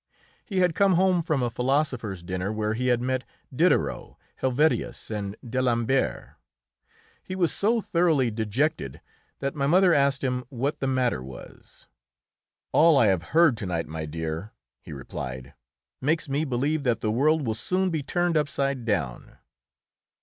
He had come home from a philosophers' dinner where he had met Diderot, Helvetius and d'Alembert. He was so thoroughly dejected that my mother asked him what the matter was. "All I have heard to night, my dear," he replied, "makes me believe that the world will soon be turned upside down."